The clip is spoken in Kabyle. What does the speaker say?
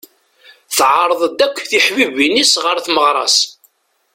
Teɛreḍ-d akk tiḥbibin-is ɣer tmeɣra-s.